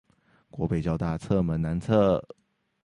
國北教大側門南側